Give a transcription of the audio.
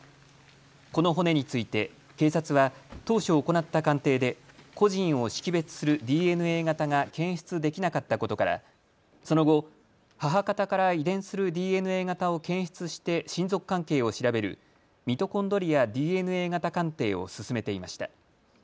この骨について警察は当初行った鑑定で個人を識別するＤＮＡ型が検出できなかったことからその後、母方から遺伝するＤＮＡ型を検出して親族関係を調べるミトコンドリアＤＮＡ型鑑定を進めていました。